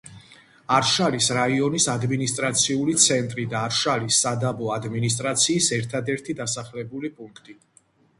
არშალის რაიონის ადმინისტრაციული ცენტრი და არშალის სადაბო ადმინისტრაციის ერთადერთი დასახლებული პუნქტი.